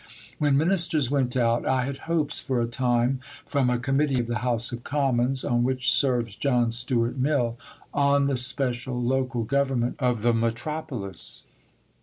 When Ministers went out, I had hopes for a time from a Committee of the House of Commons (on which serves John Stuart Mill) "on the special local government of the Metropolis."